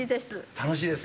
楽しいですか。